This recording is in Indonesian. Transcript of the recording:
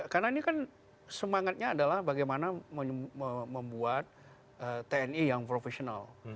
karena ini kan semangatnya adalah bagaimana membuat tni yang profesional